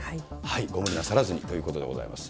ご無理なさらずにということでございます。